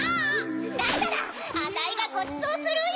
だったらあたいがごちそうするよ！